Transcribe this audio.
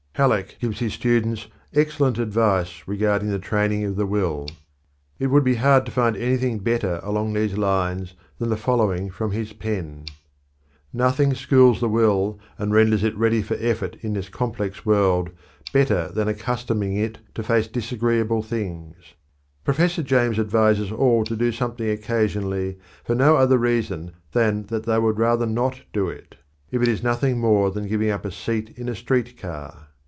Halleck gives his students excellent advice regarding the training of the will. It would be hard to find anything better along these lines than the following from his pen: "Nothing schools the will, and renders it ready for effort in this complex world, better than accustoming it to face disagreeable things. Professor James advises all to do something occasionally for no other reason than that they would rather not do it, if it is nothing more than giving up a seat in a street car.